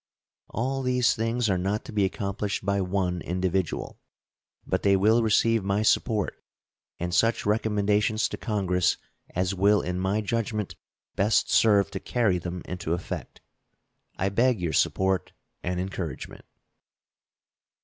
All these things are not to be accomplished by one individual, but they will receive my support and such recommendations to Congress as will in my judgment best serve to carry them into effect. I beg your support and encouragement.